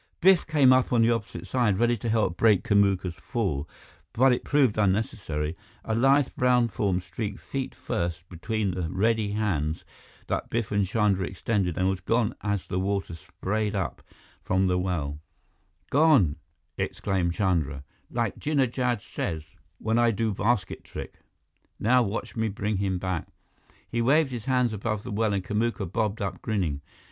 Biff came up on the opposite side, ready to help break Kamuka's fall, but it proved unnecessary. A lithe brown form streaked feet first between the ready hands that Biff and Chandra extended and was gone as the water sprayed up from the well. [Illustration: Chandra popped up from the surface and reached his arms wide] "Gone!" exclaimed Chandra. "Like Jinnah Jad says when I do basket trick. Now watch me bring him back!" He waved his hands above the well, and Kamuka bobbed up grinning.